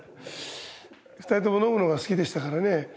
２人とも飲むのが好きでしたからね。